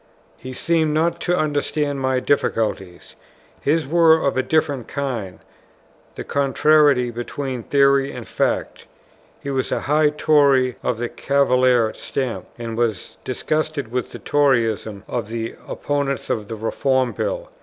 He seemed not to understand my difficulties. His were of a different kind, the contrariety between theory and fact. He was a high Tory of the Cavalier stamp, and was disgusted with the Toryism of the opponents of the Reform Bill.